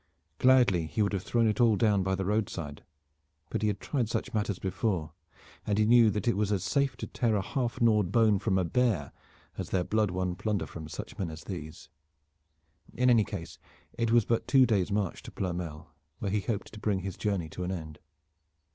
Gladly would he have thrown it all down by the roadside, but he had tried such matters before, and he knew that it was as safe to tear a half gnawed bone from a bear as their blood won plunder from such men as these. In any case it was but two days' march to Ploermel, where he hoped to bring his journey to an end.